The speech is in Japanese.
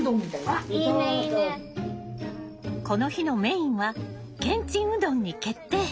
この日のメインはけんちんうどんに決定。